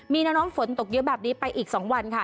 มีแนวโน้มฝนตกเยอะแบบนี้ไปอีก๒วันค่ะ